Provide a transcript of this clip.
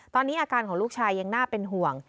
ตอนนี้อาการของลูกชายยังน่าเป็นห่วง